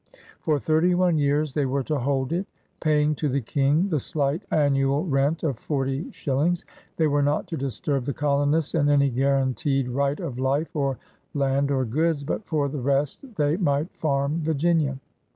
For thirty one years they were to hold it, paying to the King the slight annual rent of forty shillings. They were not to disturb the colonists in any guaranteed right of life or land or goods, but for the rest they might farm Virginia.